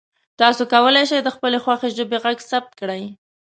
تاسو کولی شئ د خپلې خوښې ژبې غږ ثبت کړئ.